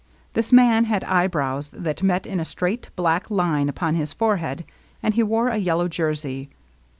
This man had eyebrows that met in a straight, black line upon his forehead, and he wore a yellow jersey.